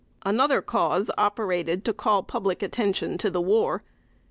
Another cause operated to call public attention to the war.